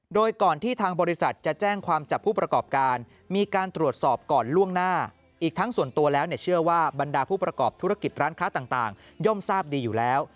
โดยก่อนที่ทางบริษัทจะแจ้งความจับผู้ประกอบการมีการตรวจสอบก่อนล่วงหน้าอีกทั้งส่วนตัวแล้วเชื่อว่าบรรดาผู้ประกอบธุรกิจร้านค้าต่างย่อมทราบดีอยู่แล้ว